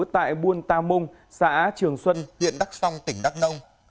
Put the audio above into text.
tại buôn ta mung xã trường xuân huyện đắc song tỉnh đắc đông